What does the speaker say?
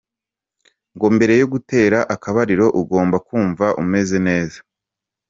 "Ngo mbere yo gutera akabariro ugomba kumva umeze neza.